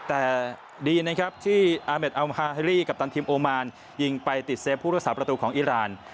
แต่ดีที่อาร์เมดอัลมหาฮิลลี่กัปตันทีมโอมารยิงไปติดเซฟภูมิพุทธศาสตร์ประตูของอีราน